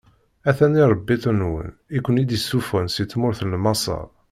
A-ten-an iṛebbiten-nwen i ken-id-issufɣen si tmurt n Maṣer.